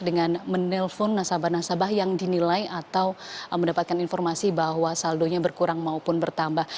dengan menelpon nasabah nasabah yang dinilai atau mendapatkan informasi bahwa saldonya berkurang maupun bertambah